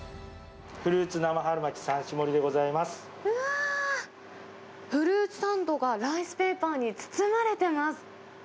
フルーツ生春巻き３種盛りでうわー、フルーツサンドがライスペーパーに包まれています。